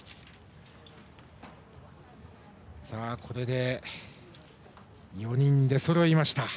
これで４人出そろいました。